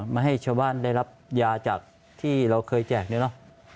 มาให้ชาวบ้านได้รับยาจากที่เราเคยแจกเนี่ยเนอะ